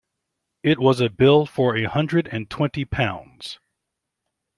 It was a bill for a hundred and twenty pounds.